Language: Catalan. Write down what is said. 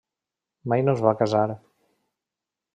Mai no es va casar.